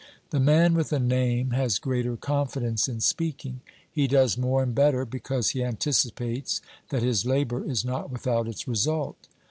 The man with a name has greater confidence in speaking; he does more and better because he anticipates that his labour is not without its result.